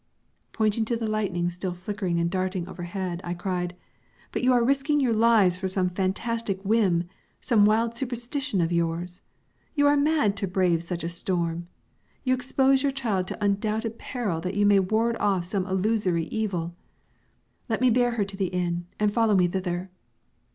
Pointing to the lightning still flickering and darting overhead, I cried, "But you are risking your lives for some fantastic whim, some wild superstition of yours. You are mad to brave such a storm! You expose your child to undoubted peril that you may ward off some illusory evil. Let me bear her to the inn, and follow me thither."